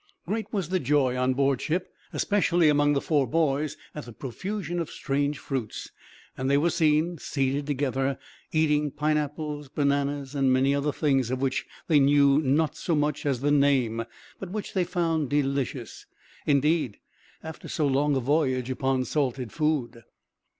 Great was the joy on board ship, especially among the four boys, at the profusion of strange fruits; and they were seen, seated together, eating pineapples, bananas, and many other things of which they knew not so much as the name, but which they found delicious, indeed, after so long a voyage upon salted food.